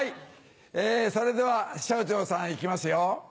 それでは昇々さん行きますよ。